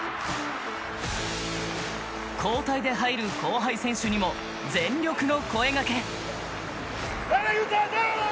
交代で入る後輩選手にも全力の声がけ。